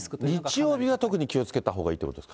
日曜日は特に気をつけたほうがいいってことですか？